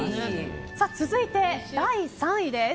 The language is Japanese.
続いて第３位です。